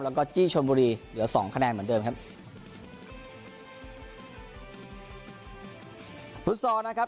แล้วก็จี้ชวนบุรีเดี๋ยว๒คะแนนเหมือนเดิมครับ